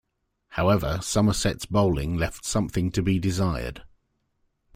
However, Somerset's bowling left something to be desired.